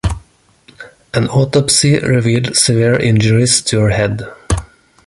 An autopsy revealed severe injuries to her head.